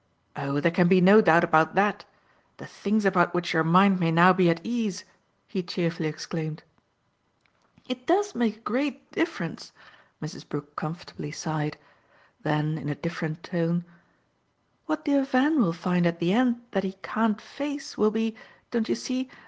"Oh there can be no doubt about THAT. The things about which your mind may now be at ease !" he cheerfully exclaimed. "It does make a great difference!" Mrs. Brook comfortably sighed. Then in a different tone: "What dear Van will find at the end that he can't face will be, don't you see?